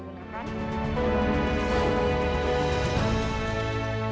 jangan lupa untuk berlangganan di sosial media dan tanya juga